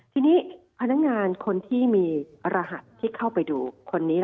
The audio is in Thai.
ทีนี้พนักงานคนที่มีรหัสที่เข้าไปดูคนนี้